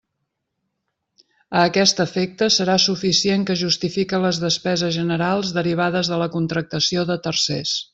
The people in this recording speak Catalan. A aquest efecte, serà suficient que justifique les despeses generals derivades de la contractació de tercers.